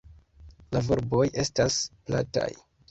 La volboj estas plataj.